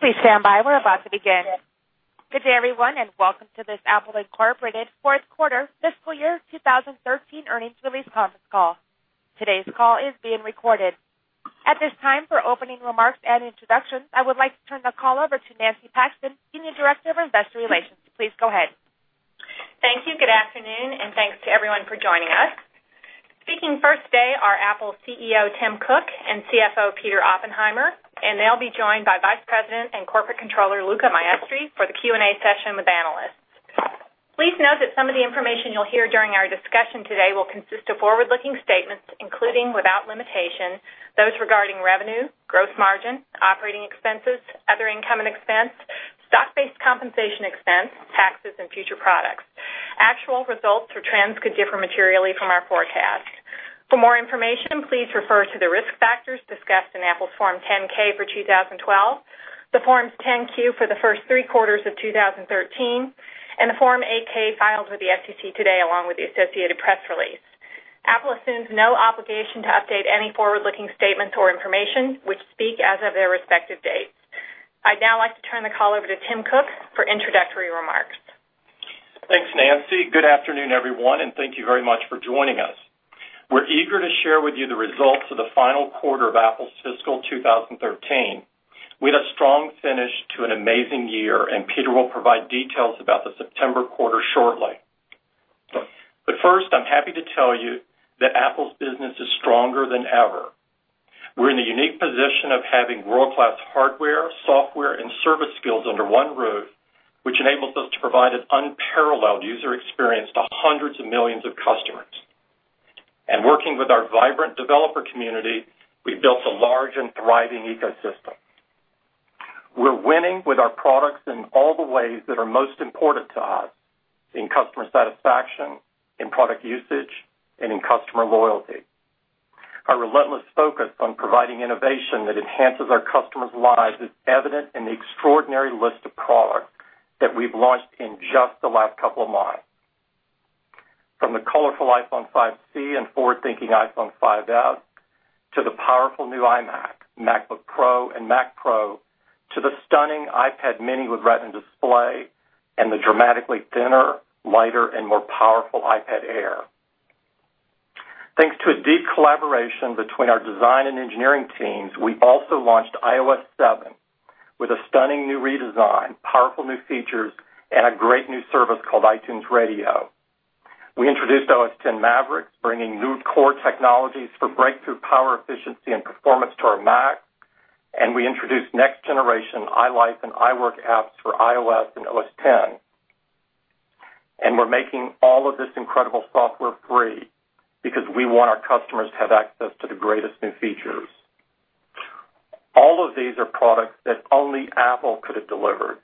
Please stand by. We're about to begin. Good day, everyone, and welcome to this Apple Inc. fourth quarter fiscal year 2013 earnings release conference call. Today's call is being recorded. At this time, for opening remarks and introductions, I would like to turn the call over to Nancy Paxton, Senior Director of Investor Relations. Please go ahead. Thank you. Good afternoon, thanks to everyone for joining us. Speaking first today are Apple CEO Tim Cook and CFO Peter Oppenheimer. They'll be joined by Vice President and Corporate Controller Luca Maestri for the Q&A session with analysts. Please note that some of the information you'll hear during our discussion today will consist of forward-looking statements, including, without limitation, those regarding revenue, gross margin, operating expenses, Other Income & Expense, stock-based compensation expense, taxes, and future products. Actual results or trends could differ materially from our forecasts. For more information, please refer to the risk factors discussed in Apple's Form 10-K for 2012, the Forms 10-Q for the first three quarters of 2013, and the Form 8-K filed with the SEC today, along with the associated press release. Apple assumes no obligation to update any forward-looking statements or information, which speak as of their respective dates. I'd now like to turn the call over to Tim Cook for introductory remarks. Thanks, Nancy. Good afternoon, everyone, thank you very much for joining us. We're eager to share with you the results of the final quarter of Apple's fiscal 2013. We had a strong finish to an amazing year. Peter will provide details about the September quarter shortly. First, I'm happy to tell you that Apple's business is stronger than ever. We're in the unique position of having world-class hardware, software, and service skills under one roof, which enables us to provide an unparalleled user experience to hundreds of millions of customers. Working with our vibrant developer community, we've built a large and thriving ecosystem. We're winning with our products in all the ways that are most important to us, in customer satisfaction, in product usage, and in customer loyalty. Our relentless focus on providing innovation that enhances our customers' lives is evident in the extraordinary list of products that we've launched in just the last couple of months. From the colorful iPhone 5c and forward-thinking iPhone 5s, to the powerful new iMac, MacBook Pro, and Mac Pro, to the stunning iPad mini with Retina display, and the dramatically thinner, lighter, and more powerful iPad Air. Thanks to a deep collaboration between our design and engineering teams, we also launched iOS 7 with a stunning new redesign, powerful new features, and a great new service called iTunes Radio. We introduced OS X Mavericks, bringing new core technologies for breakthrough power efficiency and performance to our Mac, and we introduced next-generation iLife and iWork apps for iOS and OS X. We're making all of this incredible software free because we want our customers to have access to the greatest new features. All of these are products that only Apple could have delivered,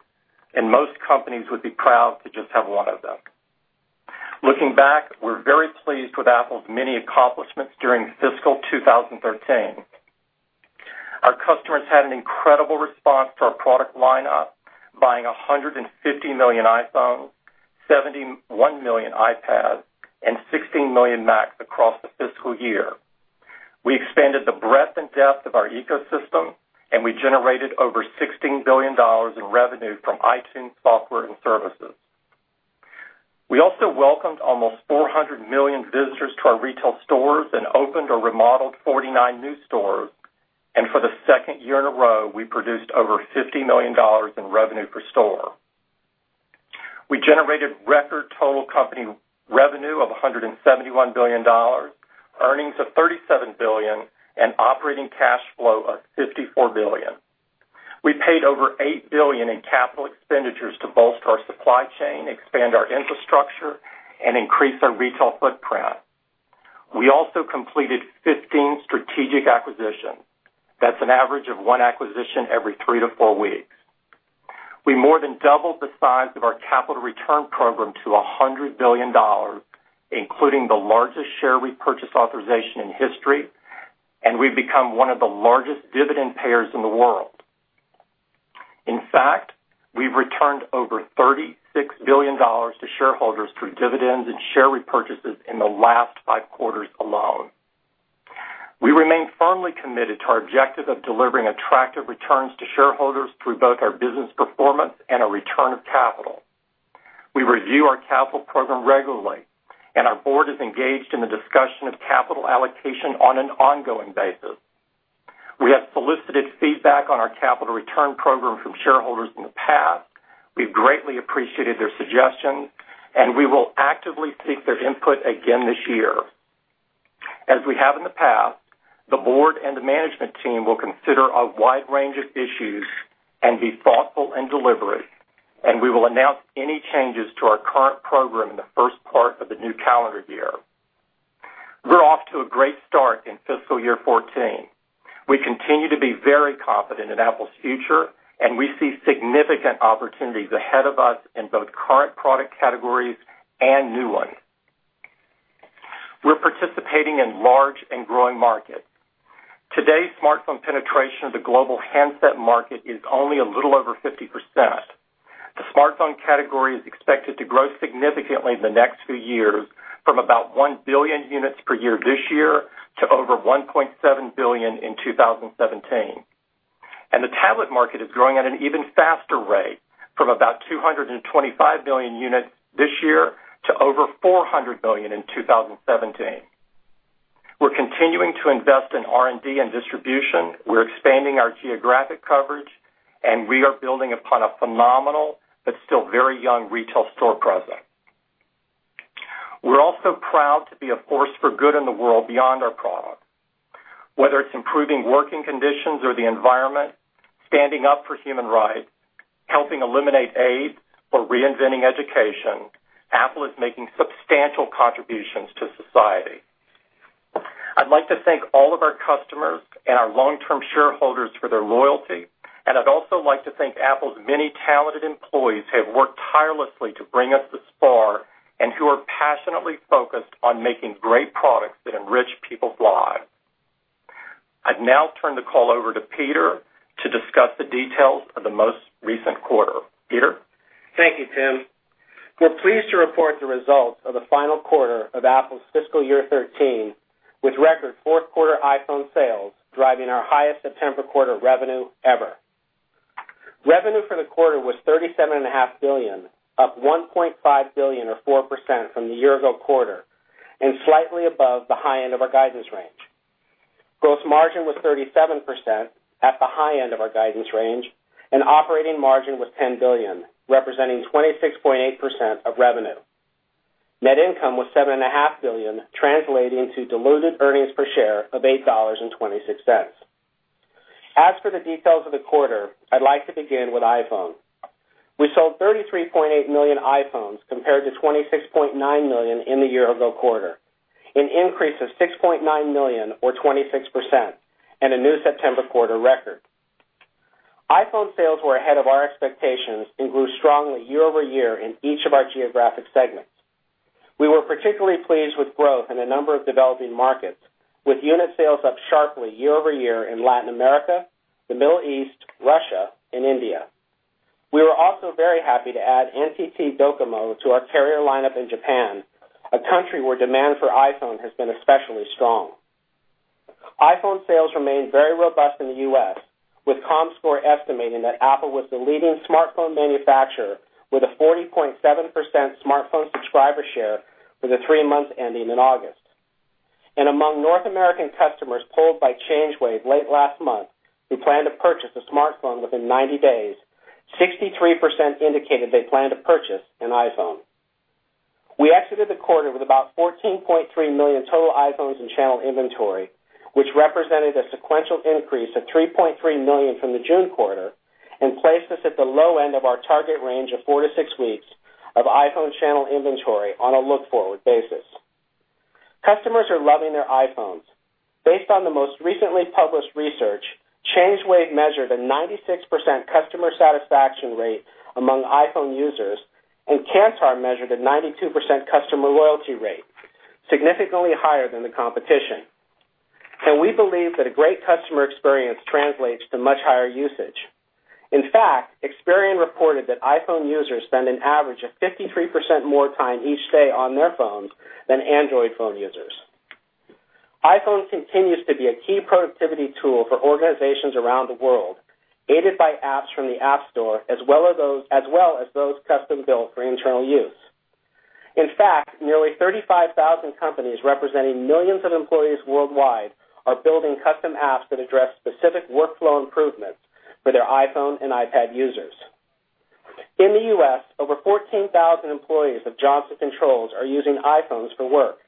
and most companies would be proud to just have one of them. Looking back, we're very pleased with Apple's many accomplishments during fiscal 2013. Our customers had an incredible response to our product lineup, buying 150 million iPhones, 71 million iPads, and 16 million Macs across the fiscal year. We expanded the breadth and depth of our ecosystem, and we generated over $16 billion in revenue from iTunes software and services. We also welcomed almost 400 million visitors to our retail stores and opened or remodeled 49 new stores. For the second year in a row, we produced over $50 million in revenue per store. We generated record total company revenue of $171 billion, earnings of $37 billion, and operating cash flow of $54 billion. We paid over $8 billion in capital expenditures to bolster our supply chain, expand our infrastructure, and increase our retail footprint. We also completed 15 strategic acquisitions. That's an average of one acquisition every three to four weeks. We more than doubled the size of our capital return program to $100 billion, including the largest share repurchase authorization in history, and we've become one of the largest dividend payers in the world. In fact, we've returned over $36 billion to shareholders through dividends and share repurchases in the last five quarters alone. We remain firmly committed to our objective of delivering attractive returns to shareholders through both our business performance and a return of capital. We review our capital program regularly, and our board is engaged in the discussion of capital allocation on an ongoing basis. We have solicited feedback on our capital return program from shareholders in the past. We've greatly appreciated their suggestions, and we will actively seek their input again this year. As we have in the past, the board and the management team will consider a wide range of issues and be thoughtful and deliberate, and we will announce any changes to our current program in the first part of the new calendar year. We're off to a great start in fiscal year 2014. We continue to be very confident in Apple's future, and we see significant opportunities ahead of us in both current product categories and new ones. We're participating in large and growing markets. Today's smartphone penetration of the global handset market is only a little over 50%. Smartphone category is expected to grow significantly in the next few years from about 1 billion units per year this year to over 1.7 billion in 2017. The tablet market is growing at an even faster rate from about 225 million units this year to over 400 million in 2017. We're continuing to invest in R&D and distribution. We're expanding our geographic coverage, and we are building upon a phenomenal but still very young retail store presence. We're also proud to be a force for good in the world beyond our product. Whether it's improving working conditions or the environment, standing up for human rights, helping eliminate AIDS or reinventing education, Apple is making substantial contributions to society. I'd like to thank all of our customers and our long-term shareholders for their loyalty, and I'd also like to thank Apple's many talented employees who have worked tirelessly to bring us this far and who are passionately focused on making great products that enrich people's lives. I'd now turn the call over to Peter to discuss the details of the most recent quarter. Peter? Thank you, Tim. We're pleased to report the results of the final quarter of Apple's fiscal year 2013, with record fourth quarter iPhone sales driving our highest September quarter revenue ever. Revenue for the quarter was $37.5 billion, up $1.5 billion or 4% from the year-ago quarter, slightly above the high end of our guidance range. Gross margin was 37%, at the high end of our guidance range, operating margin was $10 billion, representing 26.8% of revenue. Net income was $7.5 billion, translating to diluted earnings per share of $8.26. As for the details of the quarter, I'd like to begin with iPhone. We sold 33.8 million iPhones compared to 26.9 million in the year-ago quarter, an increase of 6.9 million or 26%, and a new September quarter record. iPhone sales were ahead of our expectations and grew strongly year-over-year in each of our geographic segments. We were particularly pleased with growth in a number of developing markets, with unit sales up sharply year-over-year in Latin America, the Middle East, Russia, and India. We were also very happy to add NTT Docomo to our carrier lineup in Japan, a country where demand for iPhone has been especially strong. iPhone sales remained very robust in the U.S., with Comscore estimating that Apple was the leading smartphone manufacturer with a 40.7% smartphone subscriber share for the three months ending in August. Among North American customers polled by Change Wave late last month, who planned to purchase a smartphone within 90 days, 63% indicated they planned to purchase an iPhone. We exited the quarter with about 14.3 million total iPhones in channel inventory, which represented a sequential increase of 3.3 million from the June quarter and placed us at the low end of our target range of four to six weeks of iPhone channel inventory on a look-forward basis. Customers are loving their iPhones. Based on the most recently published research, ChangeWave measured a 96% customer satisfaction rate among iPhone users, and Kantar measured a 92% customer loyalty rate, significantly higher than the competition. We believe that a great customer experience translates to much higher usage. In fact, Experian reported that iPhone users spend an average of 53% more time each day on their phones than Android phone users. iPhone continues to be a key productivity tool for organizations around the world, aided by apps from the App Store, as well as those custom-built for internal use. In fact, nearly 35,000 companies representing millions of employees worldwide are building custom apps that address specific workflow improvements for their iPhone and iPad users. In the U.S., over 14,000 employees of Johnson Controls are using iPhones for work.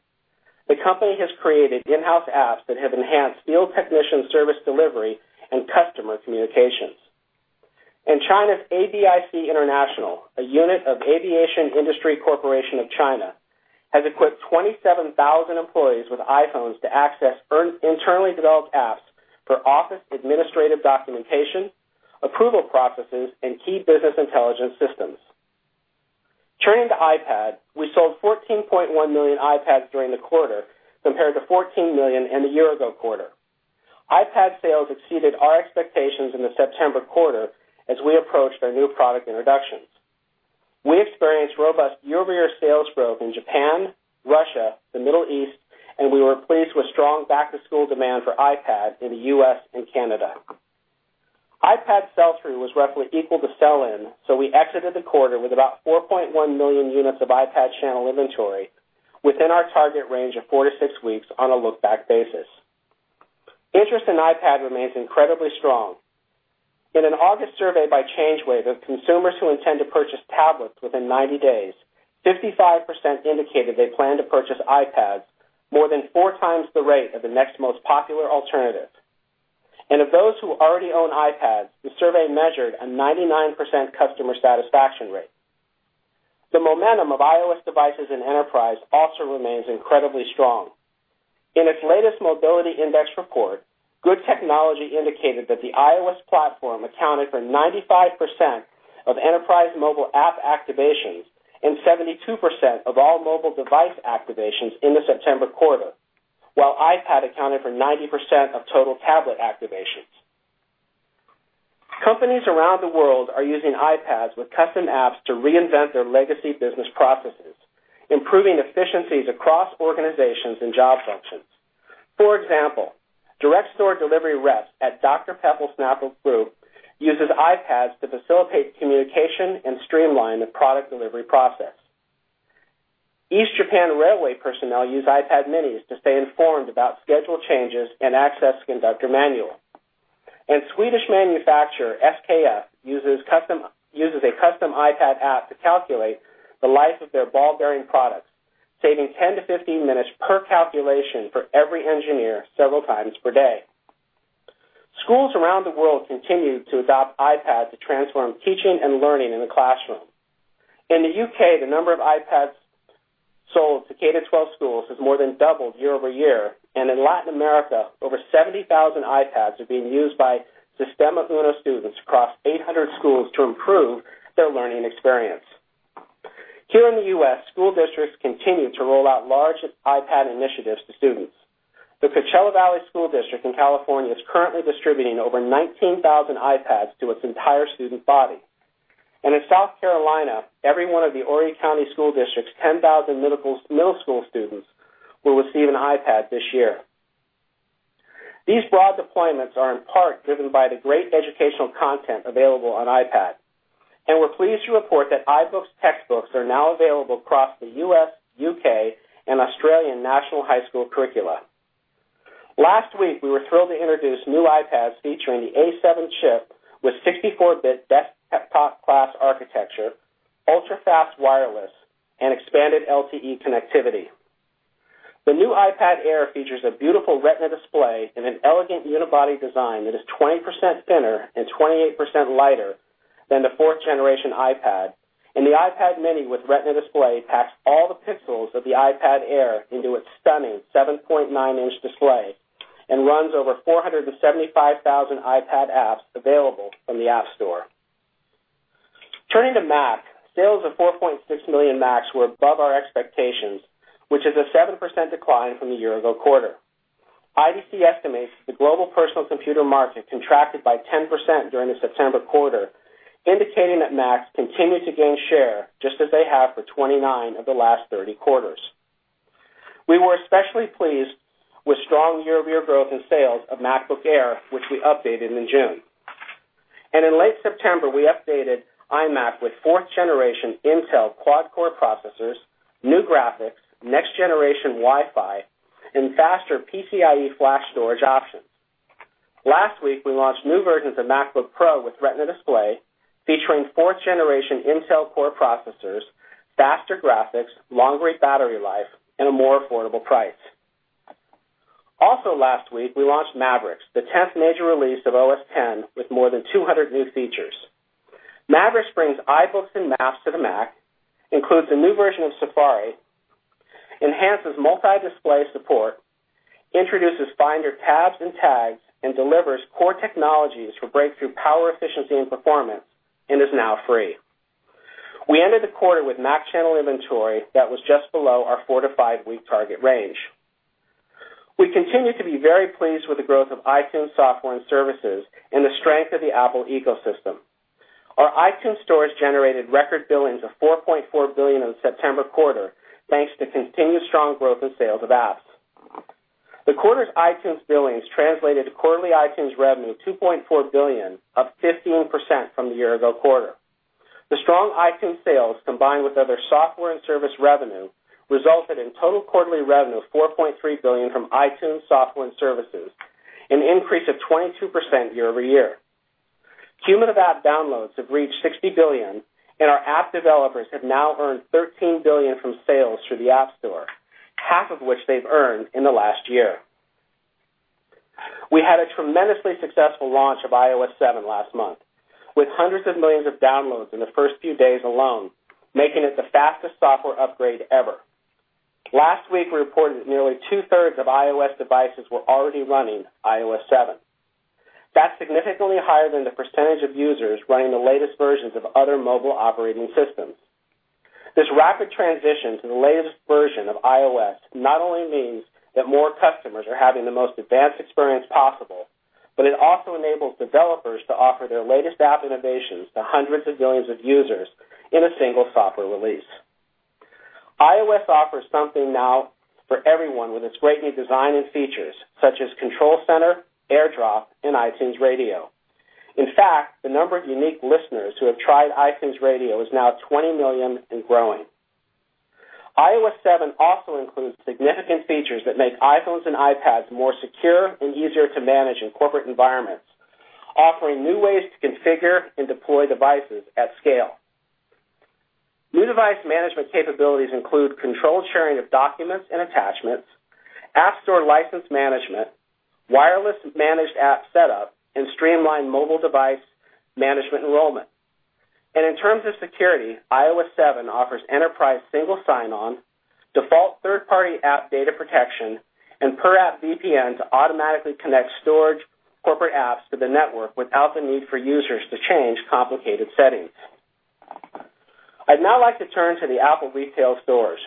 The company has created in-house apps that have enhanced field technician service delivery and customer communications. In China's AVIC International, a unit of Aviation Industry Corporation of China, has equipped 27,000 employees with iPhones to access internally developed apps for office administrative documentation, approval processes, and key business intelligence systems. Turning to iPad, we sold 14.1 million iPads during the quarter compared to 14 million in the year-ago quarter. iPad sales exceeded our expectations in the September quarter as we approached our new product introductions. We experienced robust year-over-year sales growth in Japan, Russia, the Middle East, and we were pleased with strong back-to-school demand for iPad in the U.S. and Canada. iPad sell-through was roughly equal to sell-in, so we exited the quarter with about 4.1 million units of iPad channel inventory within our target range of four to six weeks on a look-back basis. Interest in iPad remains incredibly strong. In an August survey by ChangeWave of consumers who intend to purchase tablets within 90 days, 55% indicated they plan to purchase iPads, more than four times the rate of the next most popular alternative. Of those who already own iPads, the survey measured a 99% customer satisfaction rate. The momentum of iOS devices in enterprise also remains incredibly strong. In its latest Mobility Index report, Good Technology indicated that the iOS platform accounted for 95% of enterprise mobile app activations and 72% of all mobile device activations in the September quarter While iPad accounted for 90% of total tablet activations. Companies around the world are using iPads with custom apps to reinvent their legacy business processes, improving efficiencies across organizations and job functions. For example, direct store delivery reps at Dr Pepper Snapple Group uses iPads to facilitate communication and streamline the product delivery process. East Japan Railway personnel use iPad minis to stay informed about schedule changes and access conductor manuals. Swedish manufacturer, SKF, uses a custom iPad app to calculate the life of their ball bearing products, saving 10 to 15 minutes per calculation for every engineer several times per day. Schools around the world continue to adopt iPad to transform teaching and learning in the classroom. In the U.K., the number of iPads sold to K-12 schools has more than doubled year-over-year, and in Latin America, over 70,000 iPads are being used by UNOi students across 800 schools to improve their learning experience. Here in the U.S., school districts continue to roll out large iPad initiatives to students. The Coachella Valley Unified School District in California is currently distributing over 19,000 iPads to its entire student body. In South Carolina, every one of the Horry County School District's 10,000 middle school students will receive an iPad this year. These broad deployments are in part driven by the great educational content available on iPad, and we're pleased to report that iBooks textbooks are now available across the U.S., U.K., and Australian national high school curricula. Last week, we were thrilled to introduce new iPads featuring the A7 chip with 64-bit desktop class architecture, ultra-fast wireless, and expanded LTE connectivity. The new iPad Air features a beautiful Retina display and an elegant unibody design that is 20% thinner and 28% lighter than the fourth-generation iPad. The iPad mini with Retina display packs all the pixels of the iPad Air into its stunning 7.9-inch display and runs over 475,000 iPad apps available from the App Store. Turning to Mac, sales of 4.6 million Macs were above our expectations, which is a 7% decline from the year-ago quarter. IDC estimates the global personal computer market contracted by 10% during the September quarter, indicating that Macs continued to gain share just as they have for 29 of the last 30 quarters. We were especially pleased with strong year-over-year growth in sales of MacBook Air, which we updated in June. In late September, we updated iMac with fourth-generation Intel quad-core processors, new graphics, next-generation Wi-Fi, and faster PCIe flash storage options. Last week, we launched new versions of MacBook Pro with Retina display, featuring fourth-generation Intel Core processors, faster graphics, longer battery life, and a more affordable price. Also last week, we launched Mavericks, the 10th major release of OS X with more than 200 new features. Mavericks brings iBooks and Maps to the Mac, includes a new version of Safari, enhances multi-display support, introduces Finder tabs and tags, and delivers core technologies for breakthrough power efficiency and performance, and is now free. We ended the quarter with Mac channel inventory that was just below our four- to five-week target range. We continue to be very pleased with the growth of iTunes software and services and the strength of the Apple ecosystem. Our iTunes stores generated record billings of $4.4 billion in the September quarter, thanks to continued strong growth in sales of apps. The quarter's iTunes billings translated to quarterly iTunes revenue of $2.4 billion, up 15% from the year-ago quarter. The strong iTunes sales, combined with other software and service revenue, resulted in total quarterly revenue of $4.3 billion from iTunes software and services, an increase of 22% year-over-year. Cumulative app downloads have reached 60 billion, and our app developers have now earned $13 billion from sales through the App Store, half of which they've earned in the last year. We had a tremendously successful launch of iOS 7 last month, with hundreds of millions of downloads in the first few days alone, making it the fastest software upgrade ever. Last week, we reported that nearly two-thirds of iOS devices were already running iOS 7. That's significantly higher than the percentage of users running the latest versions of other mobile operating systems. This rapid transition to the latest version of iOS not only means that more customers are having the most advanced experience possible, but it also enables developers to offer their latest app innovations to hundreds of millions of users in a single software release. iOS offers something now for everyone with its great new design and features, such as Control Center, AirDrop, and iTunes Radio. In fact, the number of unique listeners who have tried iTunes Radio is now 20 million and growing. iOS 7 also includes significant features that make iPhones and iPads more secure and easier to manage in corporate environments, offering new ways to configure and deploy devices at scale. New device management capabilities include controlled sharing of documents and attachments, App Store license management, wireless managed app setup, and streamlined mobile device management enrollment. In terms of security, iOS 7 offers enterprise single sign-on, default third-party app data protection, and per-app VPN to automatically connect storage corporate apps to the network without the need for users to change complicated settings. I'd now like to turn to the Apple retail stores.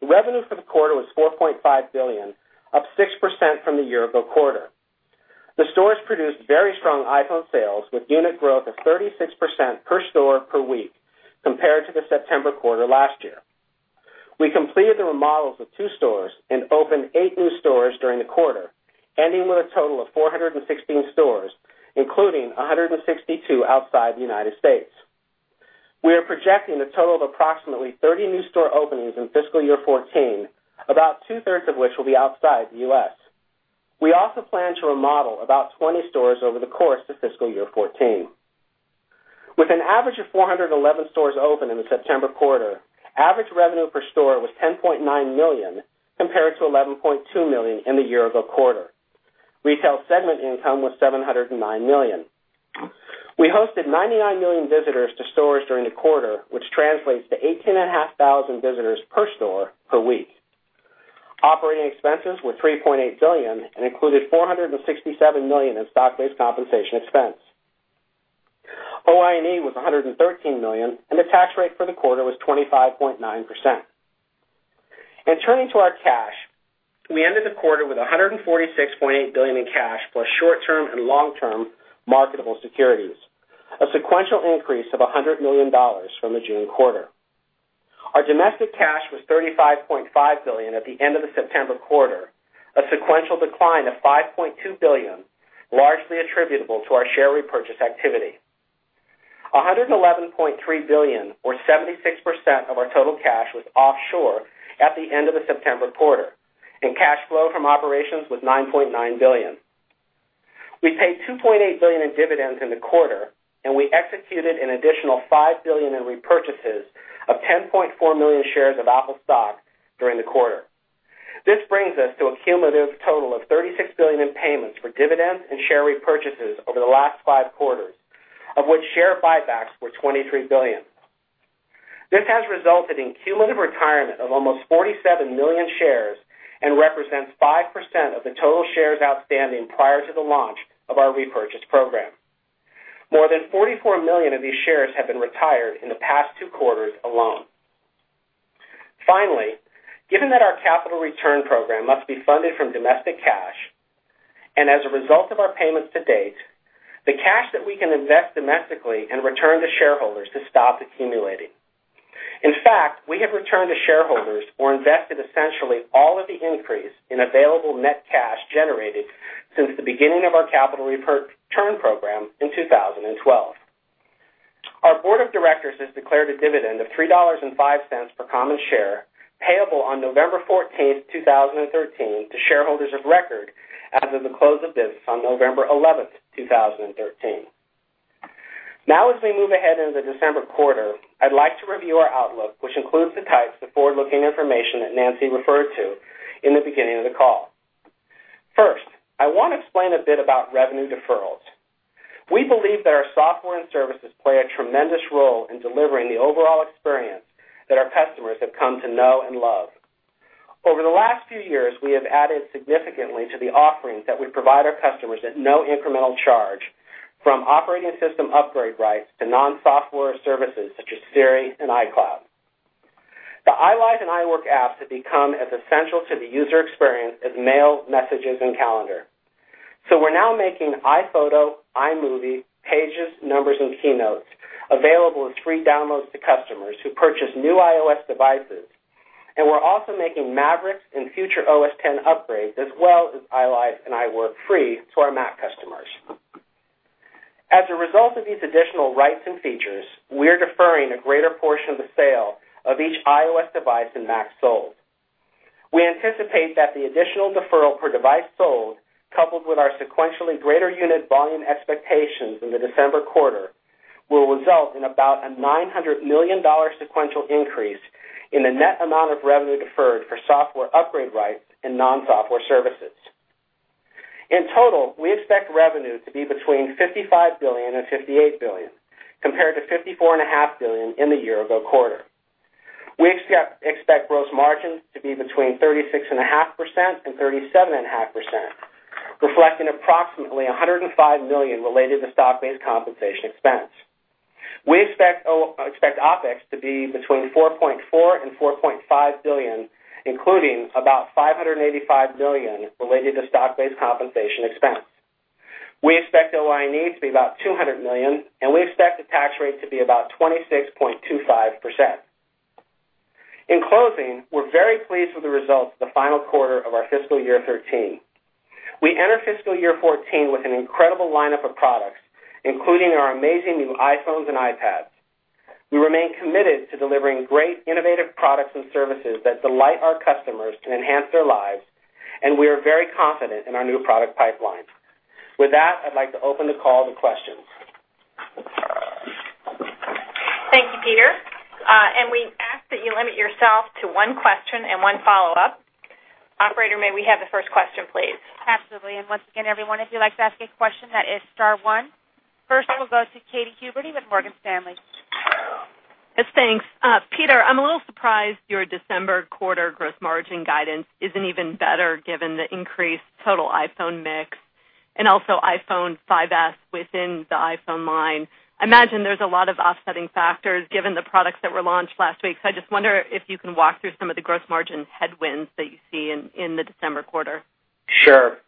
The revenue for the quarter was $4.5 billion, up 6% from the year-ago quarter. The stores produced very strong iPhone sales, with unit growth of 36% per store per week compared to the September quarter last year. We completed the remodels of two stores and opened eight new stores during the quarter, ending with a total of 416 stores, including 162 outside the U.S. We are projecting a total of approximately 30 new store openings in fiscal year 2014, about two-thirds of which will be outside the U.S. We also plan to remodel about 20 stores over the course of fiscal year 2014. With an average of 411 stores open in the September quarter, average revenue per store was $10.9 million, compared to $11.2 million in the year-ago quarter. Retail segment income was $709 million. We hosted 99 million visitors to stores during the quarter, which translates to 18,500 visitors per store per week. Operating expenses were $3.8 billion and included $467 million in stock-based compensation expense. OI&E was $113 million, and the tax rate for the quarter was 25.9%. In turning to our cash, we ended the quarter with $146.8 billion in cash, plus short-term and long-term marketable securities, a sequential increase of $100 million from the June quarter. Our domestic cash was $35.5 billion at the end of the September quarter, a sequential decline of $5.2 billion, largely attributable to our share repurchase activity. $111.3 billion or 76% of our total cash was offshore at the end of the September quarter, and cash flow from operations was $9.9 billion. We paid $2.8 billion in dividends in the quarter, we executed an additional $5 billion in repurchases of 10.4 million shares of Apple stock during the quarter. This brings us to a cumulative total of $36 billion in payments for dividends and share repurchases over the last five quarters, of which share buybacks were $23 billion. This has resulted in cumulative retirement of almost 47 million shares and represents 5% of the total shares outstanding prior to the launch of our repurchase program. More than 44 million of these shares have been retired in the past two quarters alone. Finally, given that our capital return program must be funded from domestic cash, and as a result of our payments to date, the cash that we can invest domestically and return to shareholders has stopped accumulating. In fact, we have returned to shareholders or invested essentially all of the increase in available net cash generated since the beginning of our capital return program in 2012. Our board of directors has declared a dividend of $3.05 per common share, payable on November 14th, 2013, to shareholders of record as of the close of business on November 11th, 2013. As we move ahead into the December quarter, I'd like to review our outlook, which includes the types of forward-looking information that Nancy referred to in the beginning of the call. First, I want to explain a bit about revenue deferrals. We believe that our software and services play a tremendous role in delivering the overall experience that our customers have come to know and love. Over the last few years, we have added significantly to the offerings that we provide our customers at no incremental charge, from operating system upgrade rights to non-software services such as Siri and iCloud. The iLife and iWork apps have become as essential to the user experience as mail, messages, and calendar. So we're now making iPhoto, iMovie, Pages, Numbers, and Keynote available as free downloads to customers who purchase new iOS devices. We're also making Mavericks and future OS X upgrades, as well as iLife and iWork free to our Mac customers. As a result of these additional rights and features, we're deferring a greater portion of the sale of each iOS device and Mac sold. We anticipate that the additional deferral per device sold, coupled with our sequentially greater unit volume expectations in the December quarter, will result in about a $900 million sequential increase in the net amount of revenue deferred for software upgrade rights and non-software services. In total, we expect revenue to be between $55 billion and $58 billion, compared to $54.5 billion in the year-ago quarter. We expect gross margins to be between 36.5% and 37.5%, reflecting approximately $105 million related to stock-based compensation expense. We expect OPEX to be between $4.4 billion and $4.5 billion, including about $585 million related to stock-based compensation expense. We expect OI&E to be about $200 million, and we expect the tax rate to be about 26.25%. In closing, we're very pleased with the results of the final quarter of our fiscal year 2013. We enter fiscal year 2014 with an incredible lineup of products, including our amazing new iPhones and iPads. We remain committed to delivering great innovative products and services that delight our customers to enhance their lives, and we are very confident in our new product pipeline. With that, I'd like to open the call to questions. Thank you, Peter. We ask that you limit yourself to one question and one follow-up. Operator, may we have the first question, please? Absolutely. Once again, everyone, if you'd like to ask a question, that is star one. First, we'll go to Katy Huberty with Morgan Stanley. Yes. Thanks. Peter, I'm a little surprised your December quarter gross margin guidance isn't even better given the increased total iPhone mix also iPhone 5s within the iPhone line. I imagine there's a lot of offsetting factors given the products that were launched last week. I just wonder if you can walk through some of the gross margin headwinds that you see in the December quarter. Sure.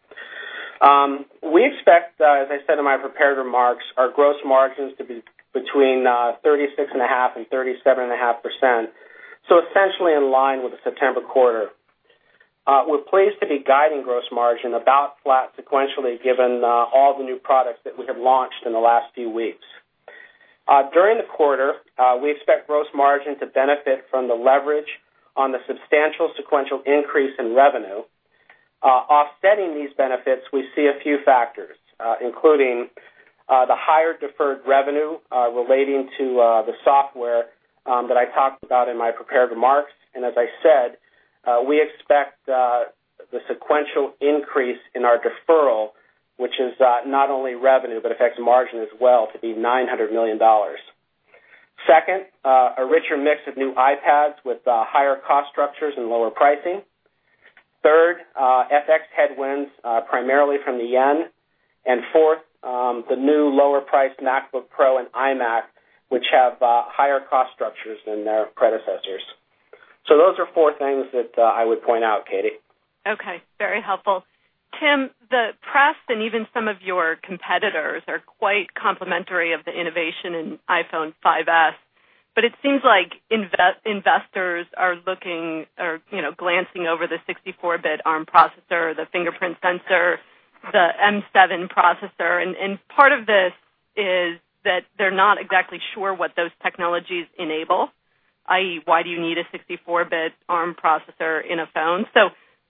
We expect, as I said in my prepared remarks, our gross margins to be between 36.5% and 37.5%. Essentially in line with the September quarter. We're pleased to be guiding gross margin about flat sequentially, given all the new products that we have launched in the last few weeks. During the quarter, we expect gross margin to benefit from the leverage on the substantial sequential increase in revenue. Offsetting these benefits, we see a few factors, including the higher deferred revenue relating to the software that I talked about in my prepared remarks. As I said, we expect the sequential increase in our deferral, which is not only revenue but affects margin as well, to be $900 million. Second, a richer mix of new iPads with higher cost structures and lower pricing. Third, FX headwinds, primarily from the yen. Fourth, the new lower priced MacBook Pro and iMac, which have higher cost structures than their predecessors. Those are four things that I would point out, Katy. Okay, very helpful. Tim, the press and even some of your competitors are quite complimentary of the innovation in iPhone 5s, but it seems like investors are glancing over the 64-bit ARM processor, the fingerprint sensor, the M7 processor, and part of this is that they're not exactly sure what those technologies enable, i.e., why do you need a 64-bit ARM processor in a phone?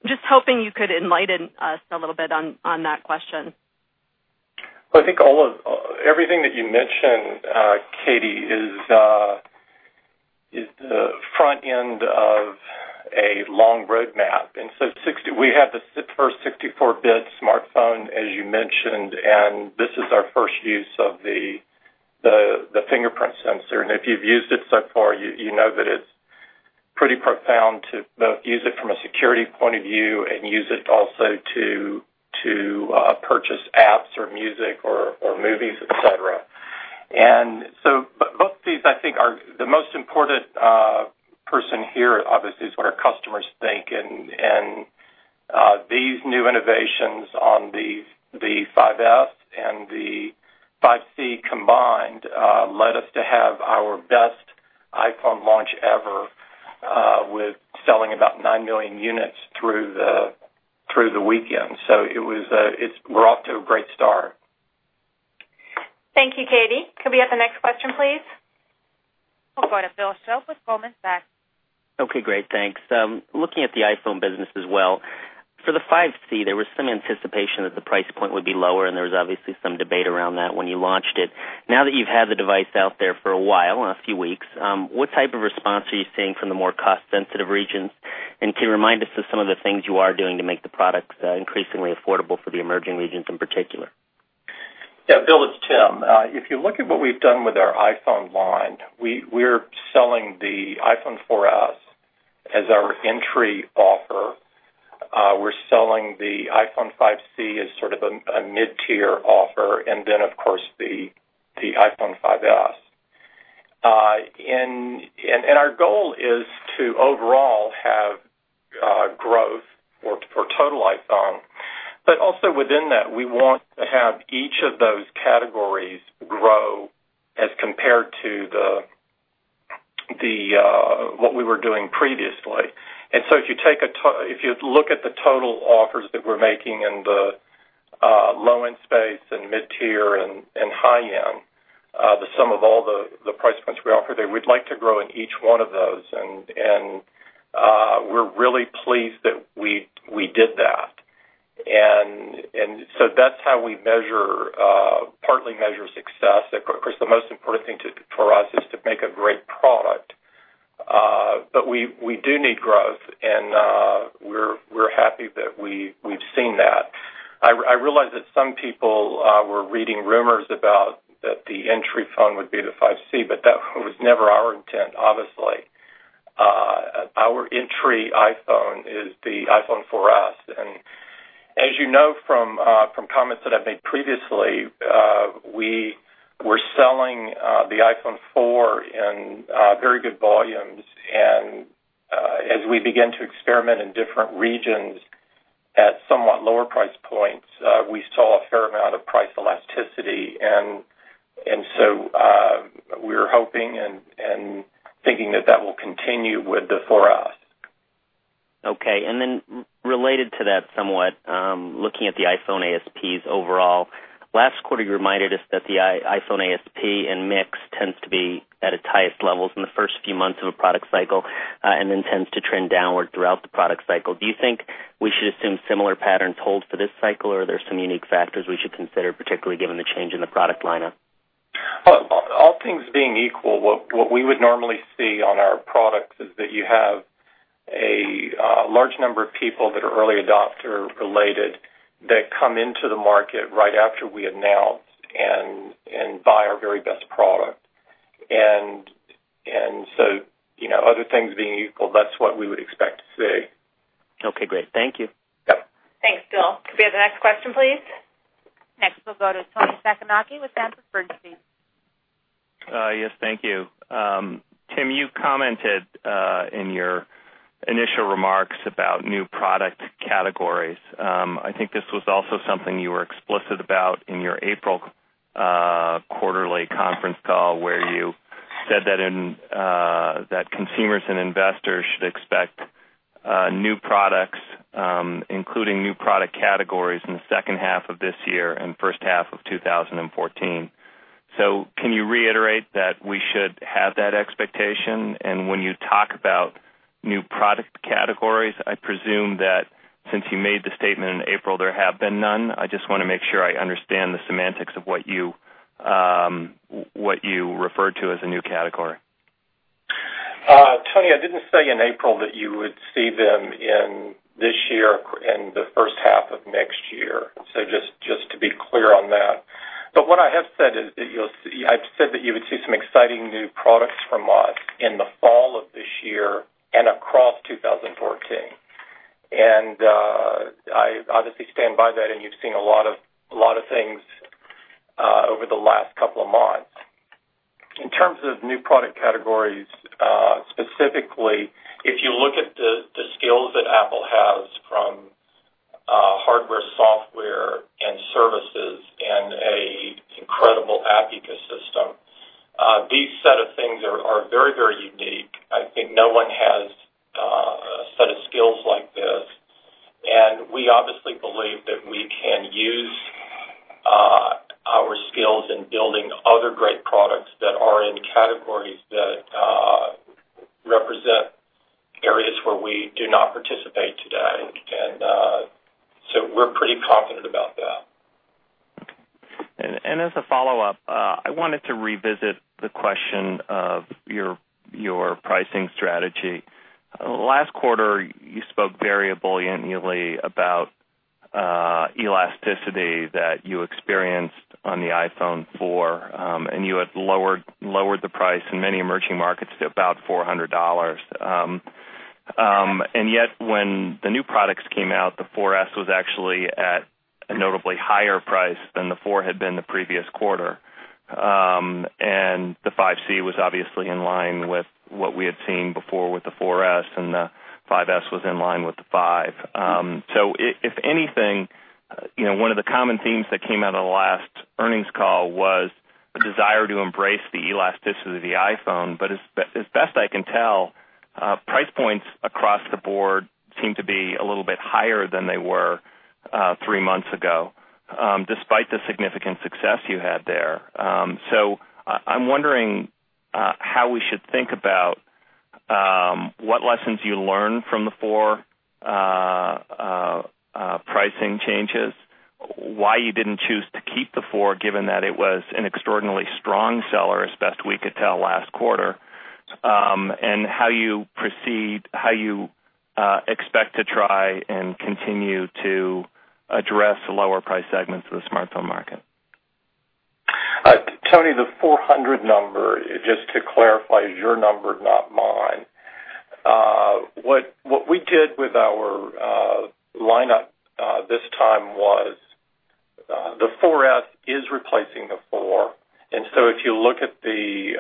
Just hoping you could enlighten us a little bit on that question. Well, I think everything that you mentioned, Katy, is the front end of a long roadmap. We had the first 64-bit smartphone, as you mentioned, and this is our first use of the fingerprint sensor. If you've used it so far, you know that it's pretty profound to both use it from a security point of view and use it also to purchase apps or music or movies, et cetera. Both these, I think the most important person here, obviously, is what our customers think. These new innovations on the 5s and the 5c combined led us to have our best iPhone launch ever, with selling about nine million units through the weekend. We're off to a great start. Thank you, Katy. Could we have the next question, please? We'll go to Bill Shope with Goldman Sachs. Okay, great. Thanks. Looking at the iPhone business as well, for the iPhone 5C, there was some anticipation that the price point would be lower, and there was obviously some debate around that when you launched it. Now that you've had the device out there for a while, a few weeks, what type of response are you seeing from the more cost-sensitive regions? Can you remind us of some of the things you are doing to make the products increasingly affordable for the emerging regions in particular? Yeah, Bill, it's Tim. If you look at what we've done with our iPhone line, we're selling the iPhone 4S as our entry offer. We're selling the iPhone 5c as sort of a mid-tier offer, and then of course, the iPhone 5S. Our goal is to overall have growth for total iPhone. Also within that, we want to have each of those categories grow as compared to what we were doing previously. If you look at the total offers that we're making in the low-end space and mid-tier and high-end, the sum of all the price points we offer there, we'd like to grow in each one of those, and we're really pleased that we did that. That's how we partly measure success. Of course, the most important thing for us is to make a great product. We do need growth, and we're happy that we've seen that. I realize that some people were reading rumors about that the entry phone would be the iPhone 5c, but that was never our intent, obviously. Our entry iPhone is the iPhone 4S, and as you know from comments that I've made previously, we were selling the iPhone 4 in very good volumes, and as we began to experiment in different regions at somewhat lower price points, we saw a fair amount of price elasticity. We're hoping and thinking that that will continue with the 4S. Okay. Related to that somewhat, looking at the iPhone ASPs overall, last quarter you reminded us that the iPhone ASP and mix tends to be at its highest levels in the first few months of a product cycle and then tends to trend downward throughout the product cycle. Do you think we should assume similar patterns hold for this cycle, or are there some unique factors we should consider, particularly given the change in the product lineup? All things being equal, what we would normally see on our products is that you have a large number of people that are early adopter related that come into the market right after we announce and buy our very best product. Other things being equal, that's what we would expect to see. Okay, great. Thank you. Yep. Thanks, Bill. Could we have the next question, please? Next, we'll go to Toni Sacconaghi with Sanford C. Bernstein. Yes, thank you. Tim, you commented in your initial remarks about new product categories. I think this was also something you were explicit about in your April quarterly conference call, where you said that consumers and investors should expect new products, including new product categories, in the second half of this year and first half of 2014. Can you reiterate that we should have that expectation? When you talk about new product categories, I presume that since you made the statement in April, there have been none. I just want to make sure I understand the semantics of what you refer to as a new category. Toni, I didn't say in April that you would see them in this year, in the first half of next year. Just to be clear on that. What I have said is, I've said that you would see some exciting new products from us in the fall of this year and across 2014. I obviously stand by that, and you've seen a lot of things over the last couple of months. In terms of new product categories, specifically, if you look at the skills that Apple has from hardware, software, and services and a incredible app ecosystem, these set of things are very unique. I think no one has a set of skills like this, and we obviously believe that we can use our skills in building other great products that are in categories that represent areas where we do not participate today. We're pretty confident about that. As a follow-up, I wanted to revisit the question of your pricing strategy. Last quarter, you spoke very ebulliently about elasticity that you experienced on the iPhone 4, and you had lowered the price in many emerging markets to about $400. Yet, when the new products came out, the 4S was actually at a notably higher price than the 4 had been the previous quarter. The 5c was obviously in line with what we had seen before with the 4S, and the 5s was in line with the 5. If anything, one of the common themes that came out of the last earnings call was a desire to embrace the elasticity of the iPhone. As best I can tell, price points across the board seem to be a little bit higher than they were three months ago, despite the significant success you had there. I'm wondering how we should think about what lessons you learned from the 4 pricing changes, why you didn't choose to keep the 4, given that it was an extraordinarily strong seller as best we could tell last quarter, and how you proceed, how you expect to try and continue to address the lower price segments of the smartphone market. Toni, the 400 number, just to clarify, is your number, not mine. What we did with our lineup this time was the 4S is replacing the 4. If you look at the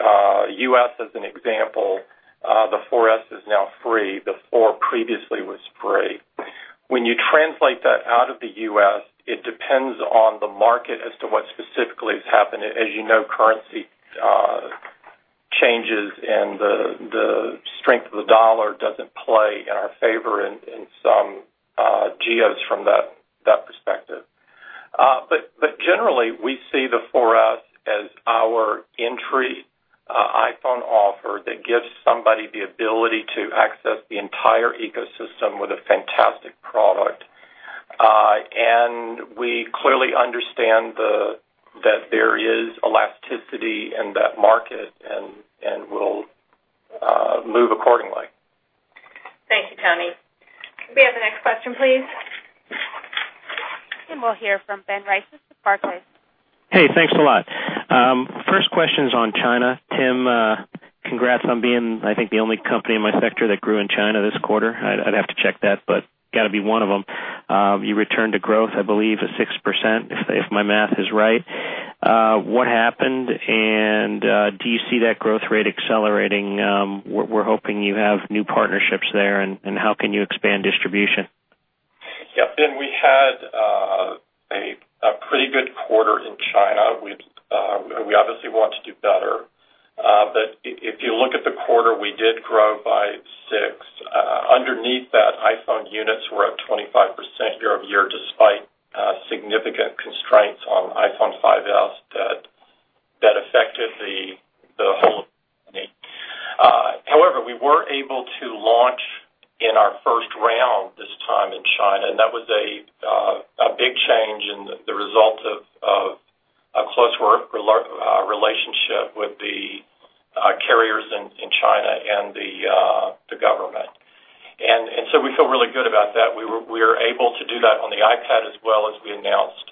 U.S. as an example, the 4S is now free. The 4 previously was free. When you translate that out of the U.S., it depends on the market as to what specifically has happened. As you know, currency changes and the strength of the dollar doesn't play in our favor in some geos from that perspective. Generally, we see the 4S as our entry iPhone offer that gives somebody the ability to access the entire ecosystem with a fantastic product. We clearly understand that there is elasticity in that market, and we'll move accordingly. Thank you, Toni. Could we have the next question, please? We'll hear from Ben Reitzes with Barclays. Hey, thanks a lot. First question's on China. Tim, congrats on being, I think, the only company in my sector that grew in China this quarter. I'd have to check that, but got to be one of them. You returned to growth, I believe, at 6%, if my math is right. What happened, and do you see that growth rate accelerating? We're hoping you have new partnerships there, and how can you expand distribution? Yeah, Ben, we had a pretty good quarter in China. We obviously want to do better. If you look at the quarter, we did grow by six. Underneath that, iPhone units were up 25% year-over-year, despite significant constraints on iPhone 5S that affected the whole company. However, we were able to launch in our first round this time in China, and that was a big change in the result of a close relationship with the carriers in China and the government. We feel really good about that. We are able to do that on the iPad as well as we announced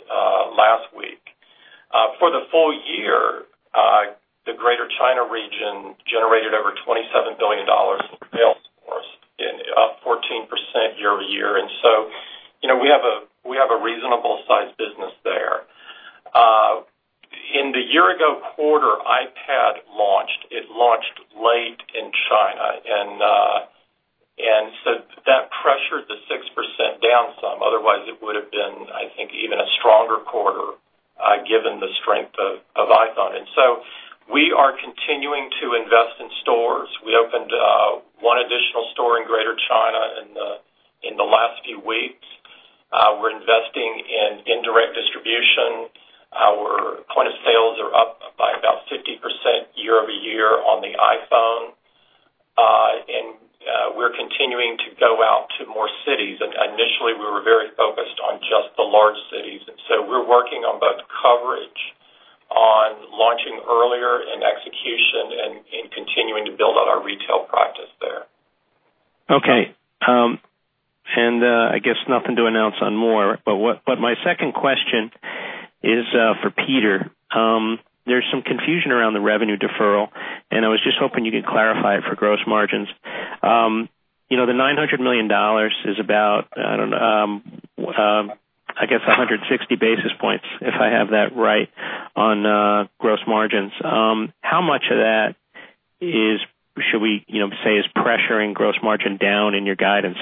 should we say is pressuring gross margin down in your guidance?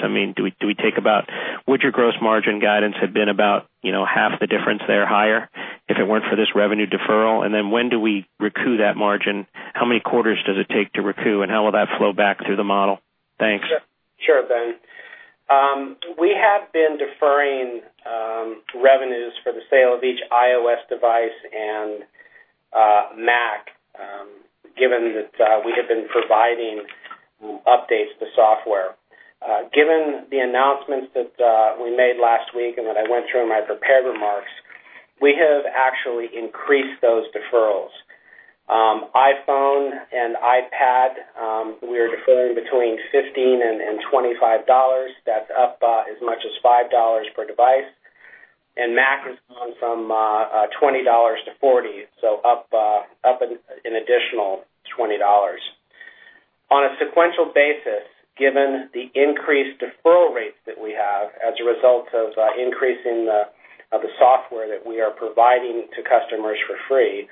Would your gross margin guidance have been about half the difference there higher if it weren't for this revenue deferral? When do we recoup that margin? How many quarters does it take to recoup, and how will that flow back through the model? Thanks. Sure, Ben. We have been deferring revenues for the sale of each iOS device and Mac, given that we have been providing updates to software. Given the announcements that we made last week and that I went through in my prepared remarks, we have actually increased those deferrals. iPhone and iPad, we are deferring between $15 and $25. That's up by as much as $5 per device, and Mac has gone from $20 to $40, so up an additional $20. On a sequential basis, given the increased deferral rates that we have as a result of increasing the software that we are providing to customers for free,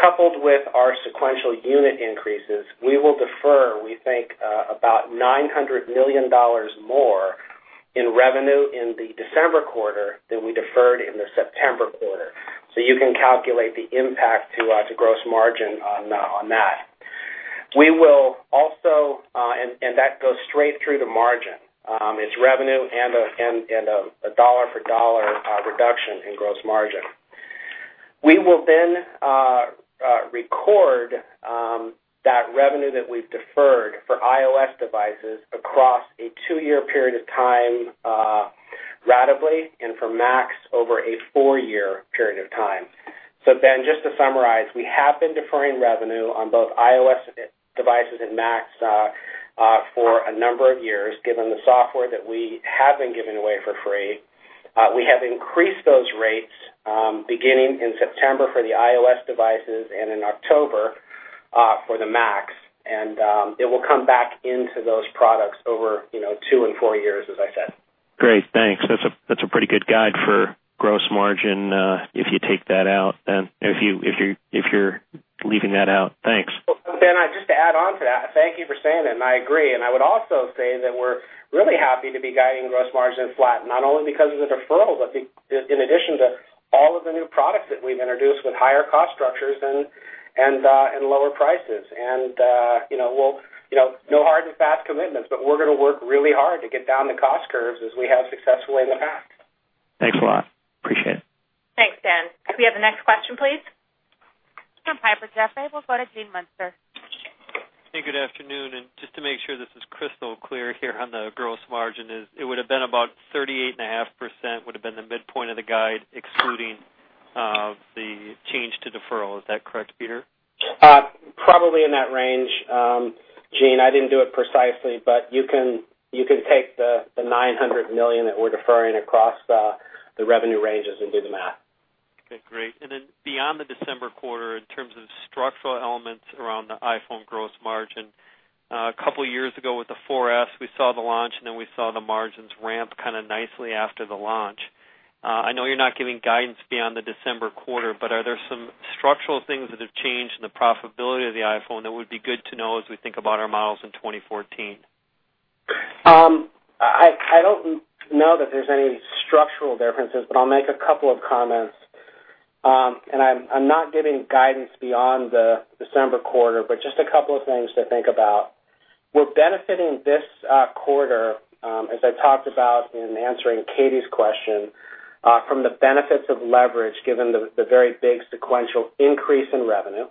coupled with our sequential unit increases, we will defer, we think, about $900 million more in revenue in the December quarter than we deferred in the September quarter. You can calculate the impact to gross margin on that. That goes straight through to margin. It's revenue and a dollar for dollar reduction in gross margin. We will then record that revenue that we've deferred for iOS devices across a two-year period of time ratably, and for Macs over a four-year period of time. Ben, just to summarize, we have been deferring revenue on both iOS devices and Macs for a number of years, given the software that we have been giving away for free. We have increased those rates, beginning in September for the iOS devices and in October for the Macs. It will come back into those products over two and four years, as I said. Great, thanks. That's a pretty good guide for gross margin if you take that out, Ben, if you're leaving that out. Thanks. Well, Ben, just to add on to that, thank you for saying it, I agree. I would also say that we're really happy to be guiding gross margin flat, not only because of the deferral, but in addition to all of the new products that we've introduced with higher cost structures and lower prices. No hard and fast commitments, but we're going to work really hard to get down the cost curves as we have successfully with Mac. Thanks a lot. Appreciate it. Thanks, Ben. Could we have the next question, please? From Piper Jaffray, we'll go to Gene Munster. Hey, good afternoon. Just to make sure this is crystal clear here on the gross margin is it would've been about 38.5% would've been the midpoint of the guide excluding the change to deferral. Is that correct, Peter? Probably in that range. Gene, I didn't do it precisely, but you can take the $900 million that we're deferring across the revenue ranges and do the math. Okay, great. Then beyond the December quarter, in terms of structural elements around the iPhone gross margin, a couple of years ago with the 4S, we saw the launch, and then we saw the margins ramp nicely after the launch. I know you're not giving guidance beyond the December quarter, but are there some structural things that have changed in the profitability of the iPhone that would be good to know as we think about our models in 2014? I don't know that there's any structural differences, but I'll make a couple of comments. I'm not giving guidance beyond the December quarter, but just a couple of things to think about. We're benefiting this quarter, as I talked about in answering Katy's question, from the benefits of leverage, given the very big sequential increase in revenue.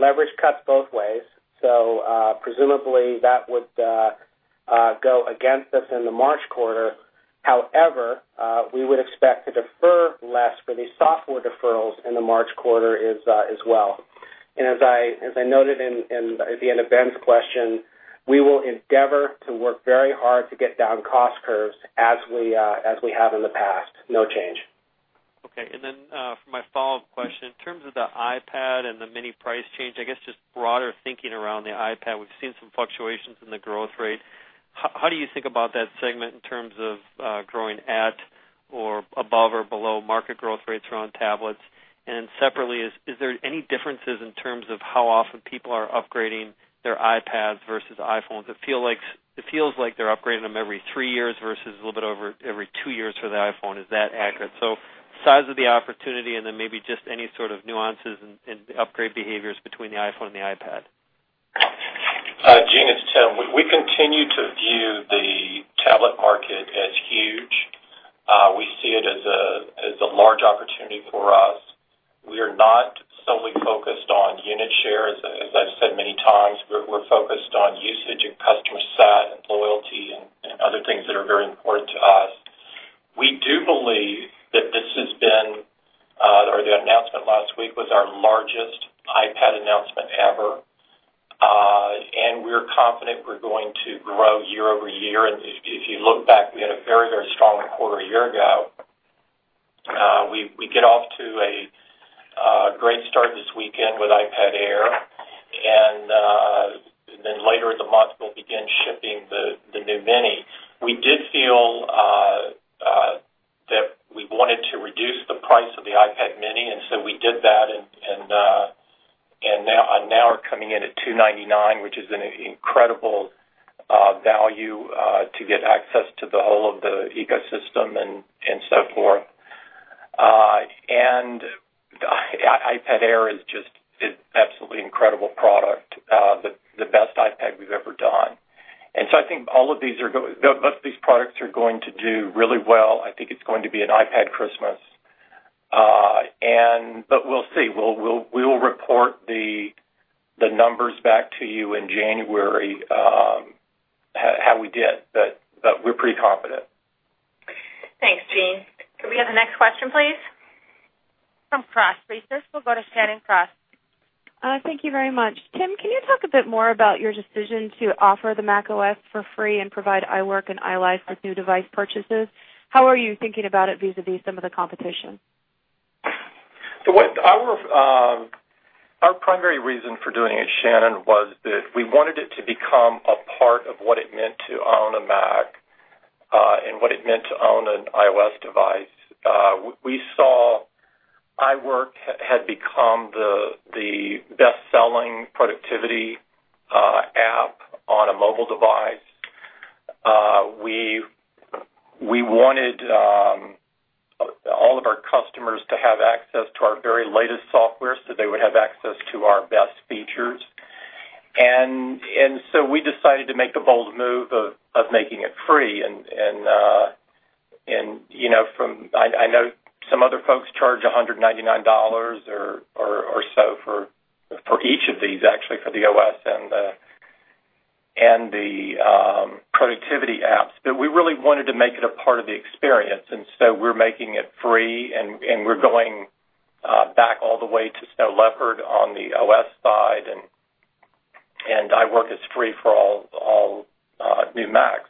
Leverage cuts both ways, so presumably that would go against us in the March quarter. However, we would expect to defer less for these software deferrals in the March quarter as well. As I noted at the end of Ben's question, we will endeavor to work very hard to get down cost curves as we have in the past. No change. Okay, for my follow-up question, in terms of the iPad and the mini price change, I guess just broader thinking around the iPad. We've seen some fluctuations in the growth rate. How do you think about that segment in terms of growing at or above or below market growth rates around tablets? Separately, is there any differences in terms of how often people are upgrading their iPads versus iPhones? It feels like they're upgrading them every three years versus a little bit over every two years for the iPhone. Is that accurate? Size of the opportunity, and then maybe just any sort of nuances in upgrade behaviors between the iPhone and the iPad. Gene, it's Tim. We continue to view the tablet market as huge. We see it as a large opportunity for us. We are not solely focused on unit share, as I've said many times. We're focused on usage and customer sat and loyalty and other things that are very important to us. We do believe that the announcement last week was our largest iPad announcement ever. We're confident we're going to grow year-over-year. If you look back, we had a very strong quarter a year ago. We get off to a great start this weekend with iPad Air, and then later in the month, we'll begin shipping the new Mini. We did feel that we wanted to reduce the price of the iPad mini, and so we did that, and now are coming in at $299, which is an incredible value to get access to the whole of the ecosystem and so forth. The iPad Air is just an absolutely incredible product, the best iPad we've ever done. I think both these products are going to do really well. I think it's going to be an iPad Christmas. We'll see. We will report the numbers back to you in January, how we did, but we're pretty confident. Thanks, Gene. Could we have the next question, please? From Cross Research. We will go to Shannon Cross. Thank you very much. Tim, can you talk a bit more about your decision to offer the macOS for free and provide iWork and iLife with new device purchases? How are you thinking about it vis-a-vis some of the competition? Our primary reason for doing it, Shannon, was that we wanted it to become a part of what it meant to own a Mac, and what it meant to own an iOS device. We saw iWork had become the best-selling productivity app on a mobile device. We wanted all of our customers to have access to our very latest software so they would have access to our best features. We decided to make the bold move of making it free. I know some other folks charge $199 or so for each of these, actually, for the OS and the productivity apps. We really wanted to make it a part of the experience, and so we are making it free, and we are going back all the way to Snow Leopard on the OS side, and iWork is free for all new Macs.